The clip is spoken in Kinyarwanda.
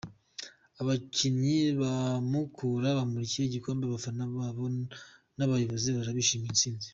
Abakinnyi ba Mukura bamurikiye igikombe abafana babo n’abayobozi barara bishimira intsinzi.